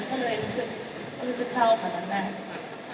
ก็เลยรู้สึกเศร้าค่ะตอนแรก